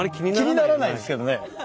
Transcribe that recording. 気にならないですけどね。